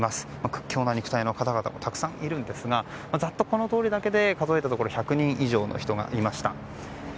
屈強な肉体の方々もたくさんいるんですがざっとこの通りだけで数えたところ１００人以上の人がいました。